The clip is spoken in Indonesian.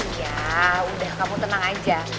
ya udah kamu tenang aja